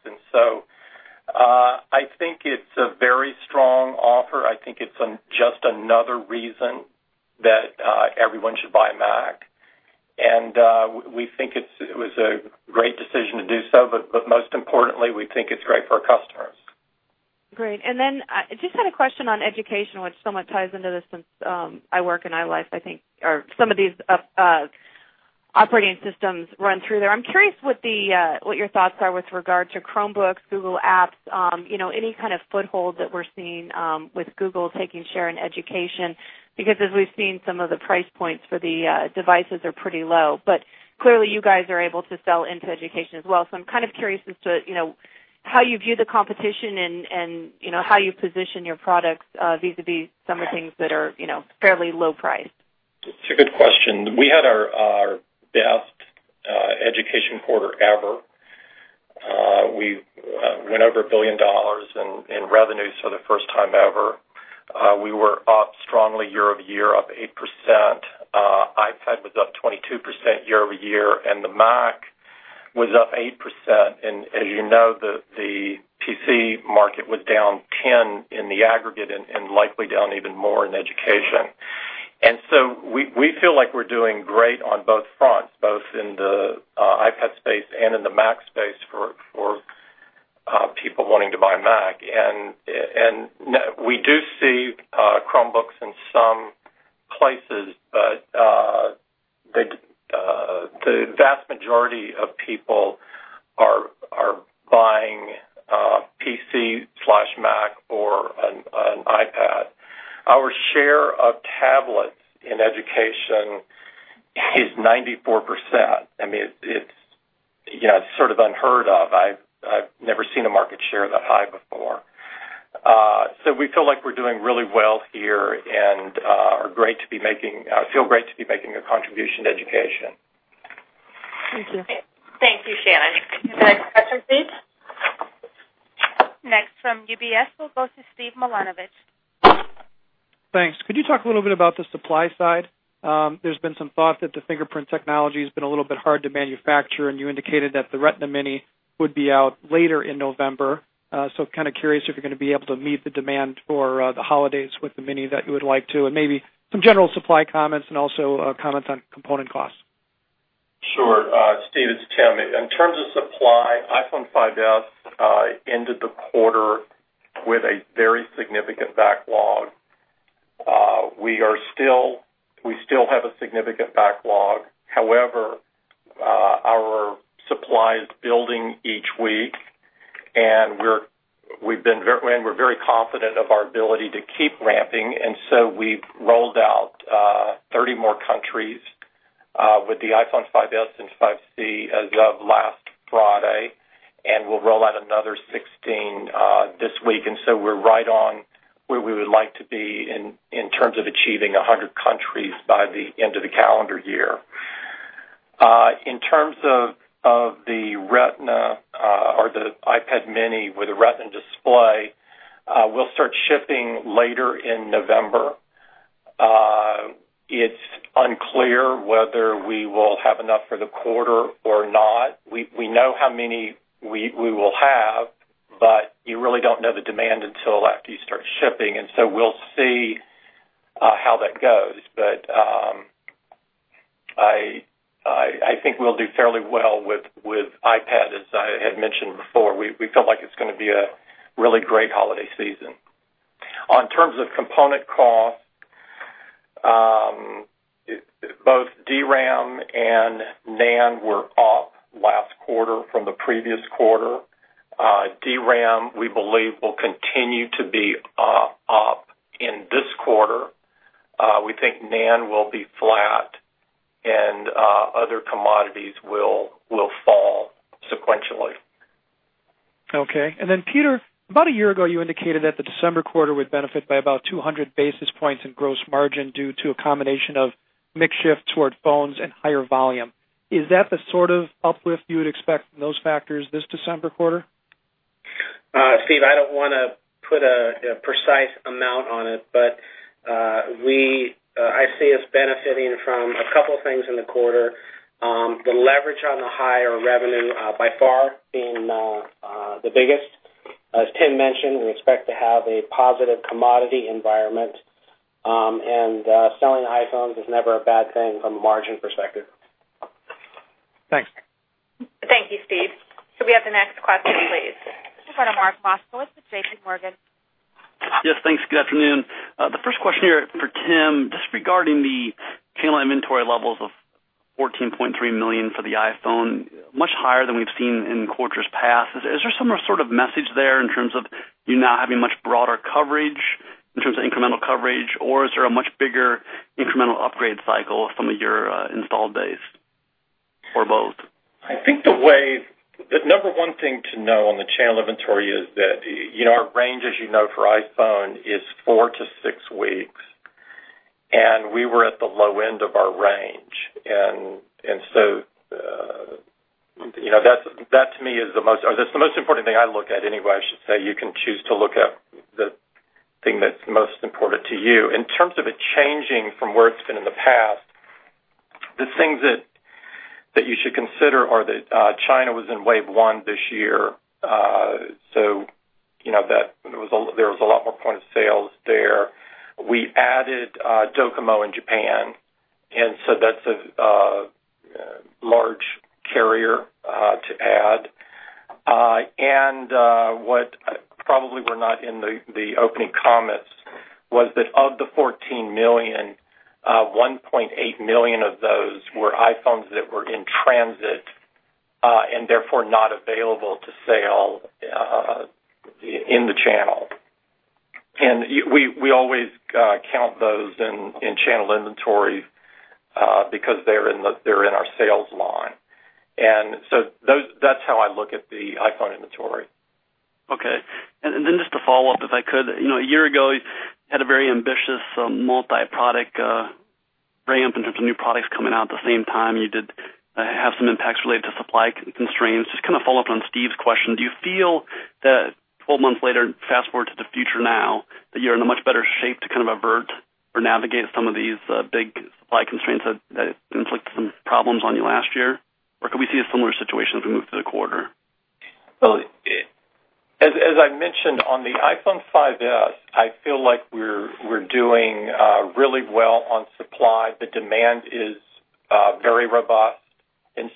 I think it is a very strong offer. I think it is just another reason that everyone should buy a Mac. We think it was a great decision to do so, most importantly, we think it is great for our customers. Great. I just had a question on education, which somewhat ties into this since iWork and iLife, I think, or some of these operating systems run through there. I'm curious what your thoughts are with regard to Chromebooks, Google Apps, any kind of foothold that we're seeing with Google taking share in education. As we've seen, some of the price points for the devices are pretty low. Clearly, you guys are able to sell into education as well. I'm kind of curious as to how you view the competition and how you position your products vis-a-vis some of the things that are fairly low priced. It's a good question. We had our best education quarter ever. We went over $1 billion in revenue for the first time ever. We were up strongly year-over-year, up 8%. iPad was up 22% year-over-year, and the Mac was up 8%. As you know, the PC market was down 10% in the aggregate and likely down even more in education. We feel like we're doing great on both fronts, both in the iPad space and in the Mac space for people wanting to buy Mac. We do see Chromebooks in some places, but the vast majority of people are buying PC/Mac or an iPad. Our share of tablets in education is 94%. It's sort of unheard of. I've never seen a market share that high before. We feel like we're doing really well here and feel great to be making a contribution to education. Thank you. Thank you, Shannon. Could we have the next question, please? UBS, we'll go to Steve Milunovich. Thanks. Could you talk a little bit about the supply side? There's been some thought that the fingerprint technology has been a little bit hard to manufacture, and you indicated that the Retina mini would be out later in November. Curious if you're going to be able to meet the demand for the holidays with the mini that you would like to, and maybe some general supply comments and also comments on component costs. Sure. Steve, it's Tim. In terms of supply, iPhone 5S ended the quarter with a very significant backlog. We still have a significant backlog. However, our supply is building each week, and we're very confident of our ability to keep ramping. We've rolled out 30 more countries, with the iPhone 5S and iPhone 5c as of last Friday, and we'll roll out another 16 this week. We're right on where we would like to be in terms of achieving 100 countries by the end of the calendar year. In terms of the iPad mini with a Retina display, we'll start shipping later in November. It's unclear whether we will have enough for the quarter or not. We know how many we will have, but you really don't know the demand until after you start shipping. We'll see how that goes. I think we'll do fairly well with iPad, as I had mentioned before. We feel like it's going to be a really great holiday season. In terms of component cost, both DRAM and NAND were up last quarter from the previous quarter. DRAM, we believe, will continue to be up in this quarter. We think NAND will be flat and other commodities will fall sequentially. Okay. Then Peter, about a year ago, you indicated that the December quarter would benefit by about 200 basis points in gross margin due to a combination of mix shift toward iPhones and higher volume. Is that the sort of uplift you would expect from those factors this December quarter? Steve, I don't want to put a precise amount on it, I see us benefiting from a couple things in the quarter. The leverage on the higher revenue by far being the biggest. As Tim mentioned, we expect to have a positive commodity environment. Selling iPhones is never a bad thing from a margin perspective. Thanks. Thank you, Steve. Could we have the next question, please? This is Mark Moskowitz with JPMorgan. Yes, thanks. Good afternoon. The first question here for Tim, just regarding the channel inventory levels of 14.3 million for the iPhone, much higher than we've seen in quarters past. Is there some sort of message there in terms of you now having much broader coverage, in terms of incremental coverage, or is there a much bigger incremental upgrade cycle from your installed base, or both? The number one thing to know on the channel inventory is that our range, as you know, for iPhone is four to six weeks, and we were at the low end of our range. That to me is the most important thing I look at anyway, I should say. You can choose to look at the thing that's most important to you. In terms of it changing from where it's been in the past, the things that you should consider are that China was in wave one this year. There was a lot more point of sales there. We added DOCOMO in Japan, that's a large carrier to add. What probably was not in the opening comments was that of the 14 million, 1.8 million of those were iPhones that were in transit, and therefore not available to sale in the channel. We always count those in channel inventory, because they're in our sales line. That's how I look at the iPhone inventory. Okay. Just to follow up, if I could, a year ago, you had a very ambitious multi-product ramp in terms of new products coming out at the same time. You did have some impacts related to supply constraints. Just following up on Steve's question, do you feel that 12 months later, fast-forward to the future now, that you're in a much better shape to avert or navigate some of these big supply constraints that inflicted some problems on you last year? Or could we see a similar situation as we move through the quarter? As I mentioned on the iPhone 5s, I feel like we're doing really well on supply. The demand is very robust,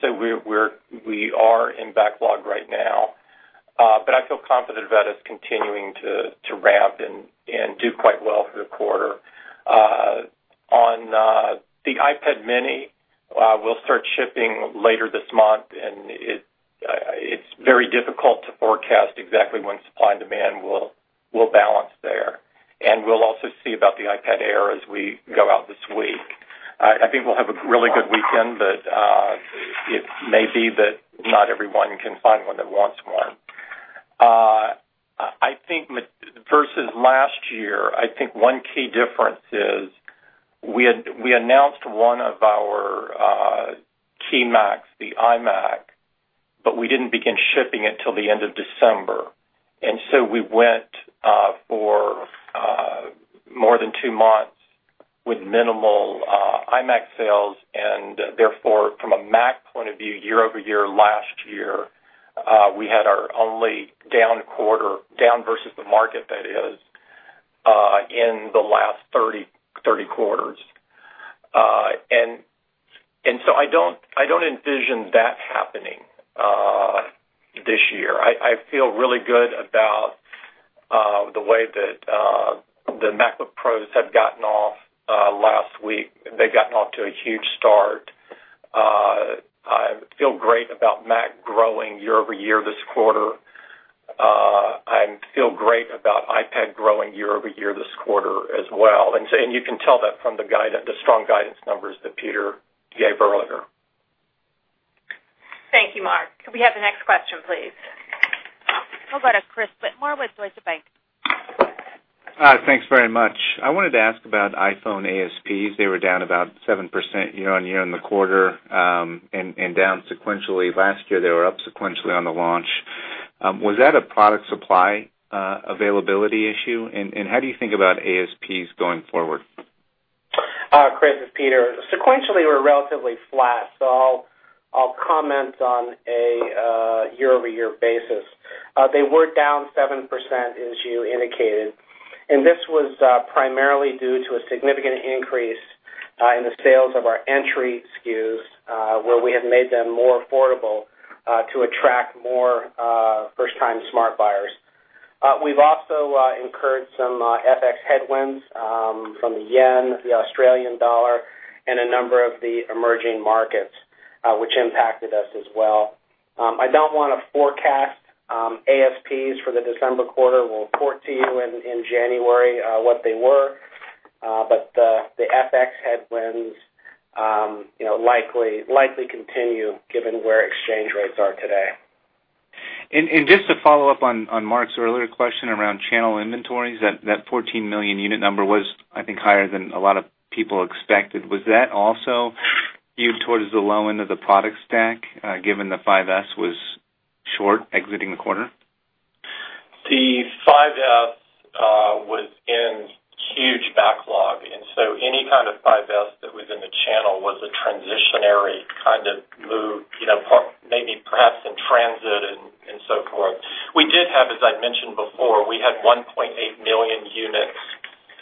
so we are in backlog right now. I feel confident about us continuing to ramp and do quite well through the quarter. On the iPad mini, we'll start shipping later this month, and it's very difficult to forecast exactly when supply and demand will balance there. We'll also see about the iPad Air as we go out this week. I think we'll have a really good weekend, but it may be that not everyone can find one that wants one. Versus last year, I think one key difference is we announced one of our key Macs, the iMac, but we didn't begin shipping it till the end of December. We went for more than two months with minimal iMac sales. Therefore, from a Mac point of view, year-over-year last year, we had our only down versus the market that is in the last 30 quarters. I don't envision that happening this year. I feel really good about the way that the MacBook Pros have gotten off last week. They've gotten off to a huge start. I feel great about Mac growing year-over-year this quarter. I feel great about iPad growing year-over-year this quarter as well. You can tell that from the strong guidance numbers that Peter gave earlier. Thank you, Mark. Could we have the next question, please? How about Chris Whitmore with Deutsche Bank? Hi. Thanks very much. I wanted to ask about iPhone ASPs. They were down about 7% year-on-year in the quarter, and down sequentially. Last year, they were up sequentially on the launch. Was that a product supply availability issue, and how do you think about ASPs going forward? Chris, it's Peter. Sequentially, we're relatively flat. I'll comment on a year-over-year basis. They were down 7%, as you indicated, and this was primarily due to a significant increase in the sales of our entry SKUs, where we have made them more affordable to attract more first-time smartphone buyers. We've also incurred some FX headwinds from the yen, the Australian dollar, and a number of the emerging markets, which impacted us as well. I don't want to forecast ASPs for the December quarter. We'll report to you in January what they were. The FX headwinds likely continue given where exchange rates are today. Just to follow up on Mark's earlier question around channel inventories, that 14-million-unit number was, I think, higher than a lot of people expected. Was that also skewed towards the low end of the product stack, given the 5s was short exiting the quarter? The 5s was in huge backlog. Any kind of 5s that was in the channel was a transitionary kind of move, maybe perhaps in transit and so forth. We did have, as I'd mentioned before, we had 1.8 million units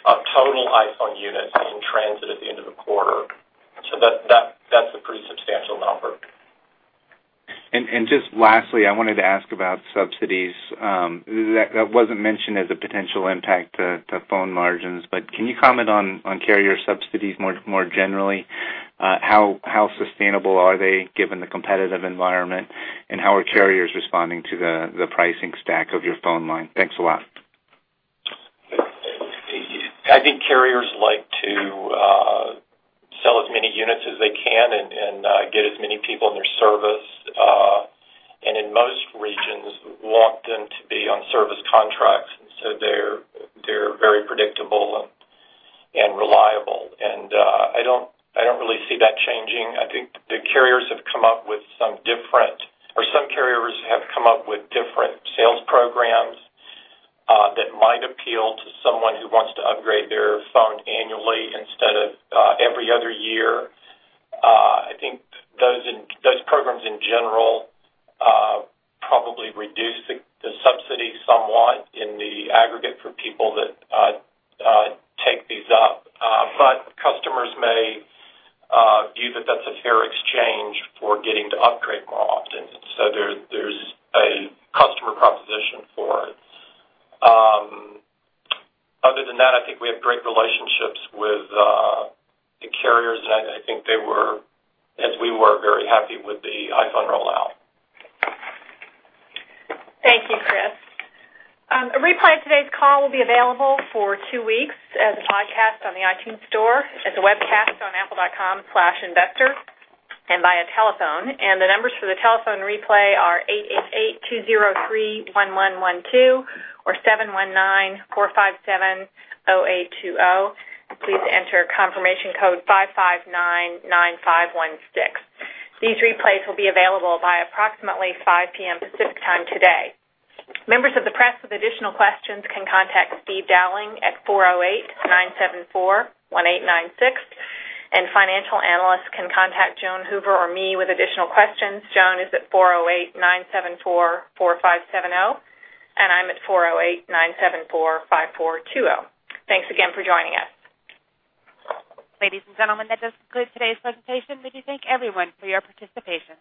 of total iPhone units in transit at the end of the quarter. That's a pretty substantial number. just lastly, I wanted to ask about subsidies. That wasn't mentioned as a potential impact to phone margins, but can you comment on carrier subsidies more generally? How sustainable are they given the competitive environment, and how are carriers responding to the pricing stack of your phone line? Thanks a lot. I think carriers like to sell as many units as they can and get as many people in their service. In most regions, want them to be on service contracts, and so they're very predictable and reliable. I don't really see that changing. I think the carriers have come up with some different, or some carriers have come up with different sales programs that might appeal to someone who wants to upgrade their phone annually instead of every other year. I think those programs in general probably reduce the subsidy somewhat in the aggregate for people that take these up. Customers may view that that's a fair exchange for getting to upgrade more often. There's a customer proposition for it. Other than that, I think we have great relationships with the carriers, and I think they were, as we were, very happy with the iPhone rollout. Thank you, Chris. A replay of today's call will be available for two weeks as a podcast on the iTunes Store, as a webcast on apple.com/investor, and via telephone. The numbers for the telephone replay are 888-203-1112 or 719-457-0820. Please enter confirmation code 5599516. These replays will be available by approximately 5:00 P.M. Pacific Time today. Members of the press with additional questions can contact Steve Dowling at 408-974-1896, and financial analysts can contact Joan Hoover or me with additional questions. Joan is at 408-974-4570, and I'm at 408-974-5420. Thanks again for joining us. Ladies and gentlemen, that does conclude today's presentation. We do thank everyone for your participation.